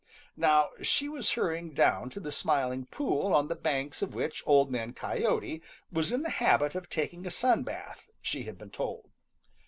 Now she was hurrying down to the Smiling Pool on the banks of which Old Man Coyote was in the habit of taking a sun bath, she had been told.